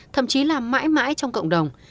thậm chí là mãi mãi trong cộng đồng